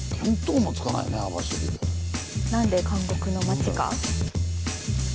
なんで監獄の町か？